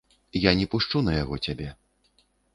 Я не пушчу на яго цябе!